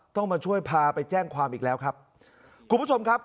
ต้องมาช่วยพาไปแจ้งความอีกแล้วครับคุณผู้ชมครับ